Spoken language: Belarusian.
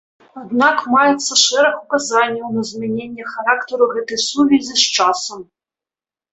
Аднак маецца шэраг указанняў на змяненне характару гэтай сувязі з часам.